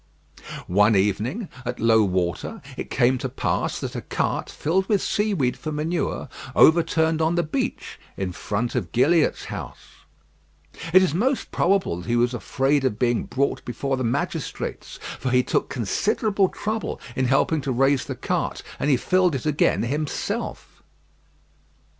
One evening, at low water, it came to pass that a cart filled with seaweed for manure overturned on the beach, in front of Gilliatt's house. It is most probable that he was afraid of being brought before the magistrates, for he took considerable trouble in helping to raise the cart, and he filled it again himself.